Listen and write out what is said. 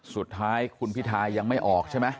สุดท้ายคุณพิทายังไม่ออกใช่ไหม